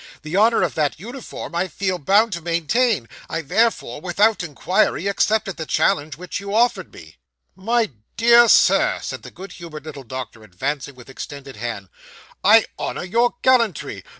The honour of that uniform I feel bound to maintain, and I therefore, without inquiry, accepted the challenge which you offered me.' 'My dear Sir,' said the good humoured little doctor advancing with extended hand, 'I honour your gallantry.